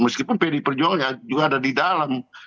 meskipun perjuangannya juga ada di dalam